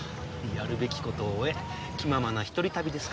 やるべきことを終え気ままなひとり旅ですか。